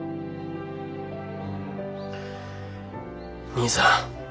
兄さん。